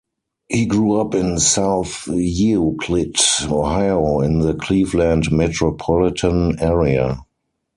He grew up in South Euclid, Ohio, in the Cleveland metropolitan area.